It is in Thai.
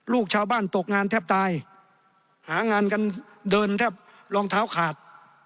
ลูกชาวบ้านตกงานแทบตายหางานกันเดินแทบรองเท้าขาด